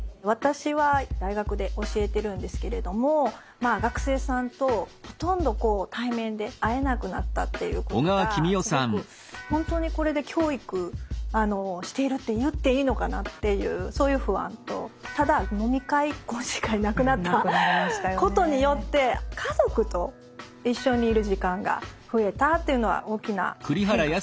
私は大学で教えてるんですけれどもまあ学生さんとほとんどこう対面で会えなくなったっていうことがすごく本当にこれで教育しているって言っていいのかなっていうそういう不安とただ飲み会懇親会なくなったことによって家族と一緒にいる時間が増えたというのは大きな変化かなと思います。